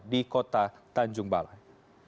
di kota tanjung balai